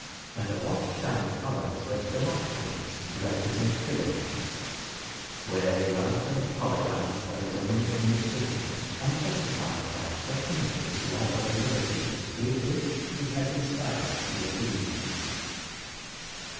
Under what shining colours does Demosthenes [Footnote: De Corona.] represent Philip; where the orator apologizes for his own administration, and justifies that pertinacious love of liberty, with which he had inspired the Athenians.